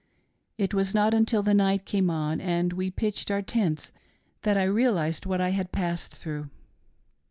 It was not until the night came on, and we pitched our tents, that I realised what I had passed through.